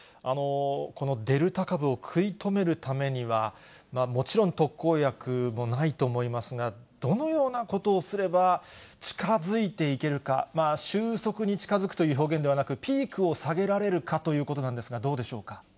このデルタ株を食い止めるためには、もちろん特効薬もないと思いますが、どのようなことをすれば近づいていけるか、終息に近づくという表現ではなく、ピークを下げられるかということなんですが、どうでしょうか。